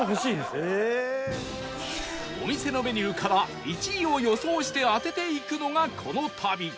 お店のメニューから１位を予想して当てていくのがこの旅